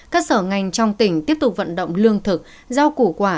các sở ngành trong tỉnh tiếp tục vận động lương thực giao củ quả